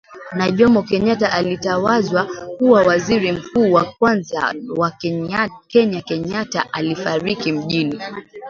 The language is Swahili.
na Jomo Kenyatta alitawazwa kuwa Waziri Mkuu wa kwanza wa KenyaKenyatta alifariki mjini